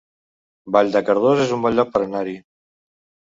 Vall de Cardós es un bon lloc per anar-hi